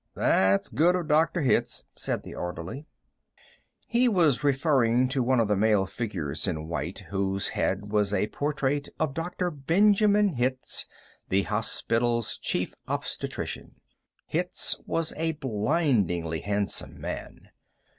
"That's good of Dr. Hitz," said the orderly. He was referring to one of the male figures in white, whose head was a portrait of Dr. Benjamin Hitz, the hospital's Chief Obstetrician. Hitz was a blindingly handsome man.